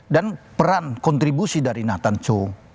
dan peran kontribusi dari nathan cho